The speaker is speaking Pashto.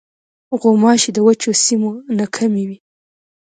غوماشې د وچو سیمو نه کمې وي.